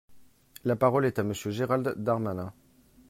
La parole est à Monsieur Gérald Darmanin.